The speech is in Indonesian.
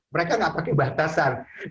mereka gak pakai batasan belinya